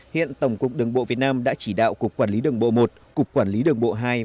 hiện tổng cục đường bộ việt nam đã chỉ đạo cục quản lý đường bộ một cục quản lý đường bộ hai